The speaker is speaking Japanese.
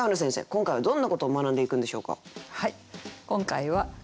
今回はどんなことを学んでいくんでしょうか。